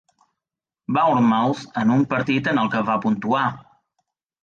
Bournemouth en un partit en el que va puntuar.